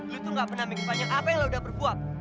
lu tuh gak pernah mikir banyak apa yang lo udah berbuat